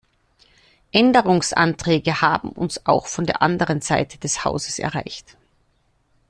Änderungsanträge haben uns auch von der anderen Seite des Hauses erreicht.